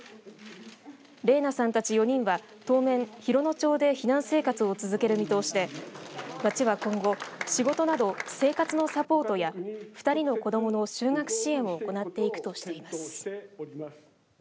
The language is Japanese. レーナさんたち４人は当面、洋野町で避難生活を続ける見通しで町は今後仕事など、生活のサポートや２人の子どもの就学支援を行っていくとしています。